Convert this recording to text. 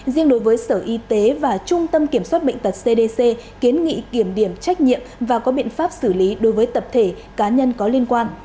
riêng đối với sở y tế và trung tâm kiểm soát bệnh tật cdc kiến nghị kiểm điểm trách nhiệm và có biện pháp xử lý đối với tập thể cá nhân có liên quan